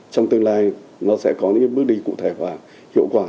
trong tương lai nó sẽ có những bước đi cụ thể và hiệu quả